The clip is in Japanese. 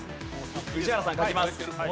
宇治原さん書きます。